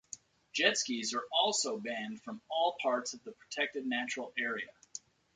Jet skis are also banned from all parts of the Protected Natural Area.